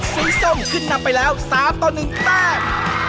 สีส้มขึ้นนับไปแล้ว๓ตัว๑แป้บ